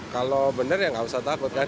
kalau bener ya enggak usah takut kan